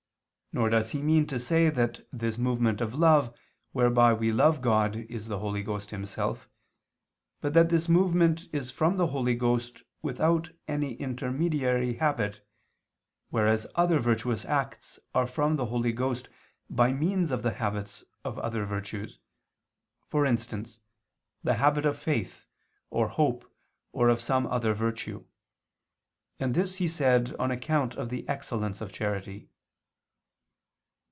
Nor does he mean to say that this movement of love whereby we love God is the Holy Ghost Himself, but that this movement is from the Holy Ghost without any intermediary habit, whereas other virtuous acts are from the Holy Ghost by means of the habits of other virtues, for instance the habit of faith or hope or of some other virtue: and this he said on account of the excellence of charity.